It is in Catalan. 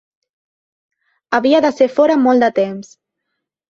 Havia de ser fora molt de temps.